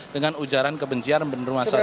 dengan ujaran kebencian dan penerimaan seseorang